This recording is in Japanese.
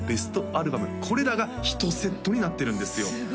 これらが１セットになってるんですよ